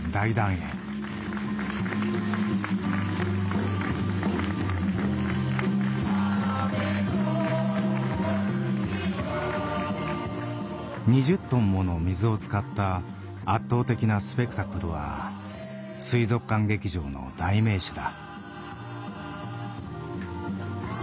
「風の黙示録」２０トンもの水を使った圧倒的なスペクタクルは水族館劇場の代名詞だ。